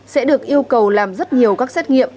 sẽ được yêu cầu làm rất nhiều các xét nghiệm